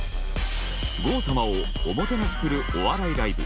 郷様をおもてなしするお笑いライブ。